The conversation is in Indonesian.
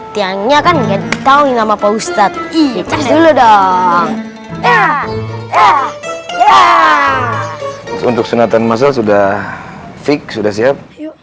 tiangnya kan enggak tahu nama pak ustadz dulu dong untuk sunatan masa sudah fix sudah siap